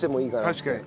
確かに。